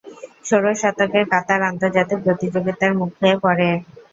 ষোড়শ শতকে কাতার আন্তর্জাতিক প্রতিযোগীতার মুখে পরে।